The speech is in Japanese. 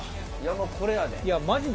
これやで。